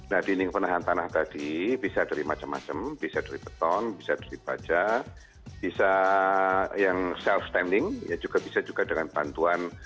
nah dinding penahan tanah tadi bisa dari macam macam bisa dari beton bisa dari baja bisa yang self standing ya juga bisa juga dengan bantuan